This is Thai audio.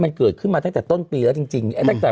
มันเกิดขึ้นมาตั้งแต่ต้นปีแล้วจริง